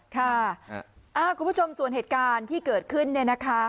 คุณผู้ชมส่วนเหตุการณ์ที่เกิดขึ้นเนี่ยนะคะ